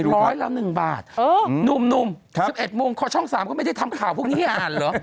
ร้อยละ๑บาทหนุ่ม๑๑โมงคอช่อง๓ก็ไม่ได้ทำข่าวพวกนี้ให้อ่านเหรอ